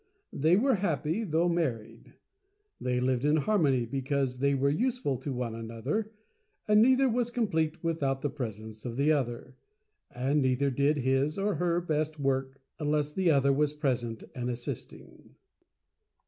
They were Happy though Married. They Lived in Harmony, because they were Useful to One Another, and neither was complete without the pres ence of the Other — and neither did his or her Best Work, unless the Other was present and assisting.